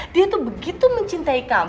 dia itu begitu mencintai kamu